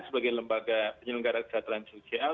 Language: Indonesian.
sebagai lembaga penyelenggara kesehatan sosial